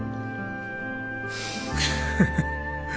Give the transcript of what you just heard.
フフフフ。